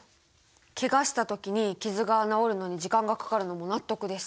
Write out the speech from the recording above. ケガした時に傷が治るのに時間がかかるのも納得です。